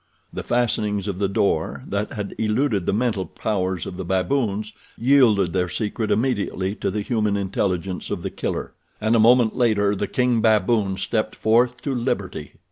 The fastenings of the door that had eluded the mental powers of the baboons, yielded their secret immediately to the human intelligence of The Killer, and a moment later the king baboon stepped forth to liberty.